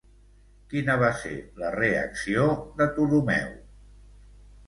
Quina va ser la reacció de Ptolemeu?